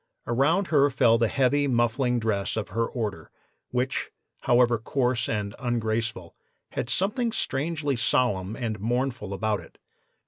Around her fell the heavy muffling dress of her order, which, however coarse and ungraceful, had something strangely solemn and mournful about it.